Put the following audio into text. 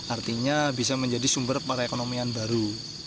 artinya bisa menjadi sumber perekonomian baru